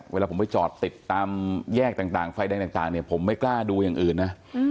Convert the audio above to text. เวลาผมไปจอดติดตามแยกต่างไฟแดงต่างเนี่ยผมไม่กล้าดูอย่างอื่นนะ